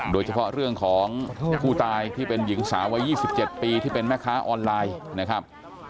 โดยเฉพาะเรื่องของผู้ตายที่เป็นหญิงสาววัย๒๗ปีที่เป็นแม่ค้าออนไลน์นะครับ